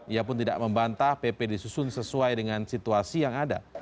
ia pun tidak membantah pp disusun sesuai dengan situasi yang ada